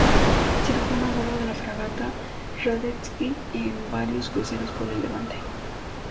Cirujano a bordo de la fragata "Radetzky" en varios cruceros por el Levante.